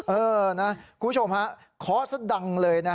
เออนะคุณผู้ชมฮะขอซะดังเลยนะ